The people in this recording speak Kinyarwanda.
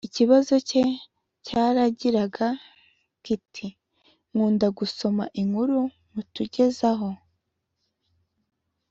Ikibazo cye cyaragiraga kiti “Nkunda gusoma inkuru mutugezaho